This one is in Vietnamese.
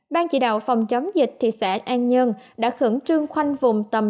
ban chỉ đạo phòng chống dịch thị xã an nhơn đã khẩn trương khoanh vùng tầm